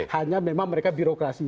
hanya memang mereka birokrasi